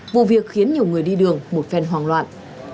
vụ việc khiến nhiều người đi đường một phen hoảng loạn